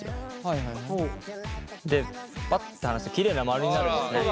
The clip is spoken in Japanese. でパッて離すときれいな丸になるんですね。